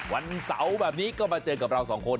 วันเสาร์แบบนี้ก็มาเจอกับเราสองคน